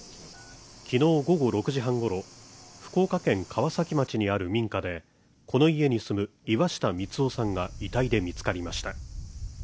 昨日午後６時半ごろ、福岡県川崎町にある民家でこの家に住む岩下三男さんが遺体で見つかりました。